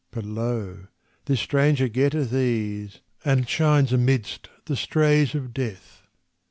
But lo! this stranger getteth ease, And shines amidst the strays of Death.